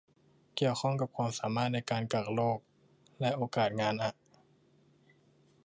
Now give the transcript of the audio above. เกี่ยวข้องกับความสามารถในการกักโรคและโอกาสงานอะ